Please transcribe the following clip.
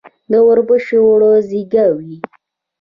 د اوربشو اوړه زیږه وي.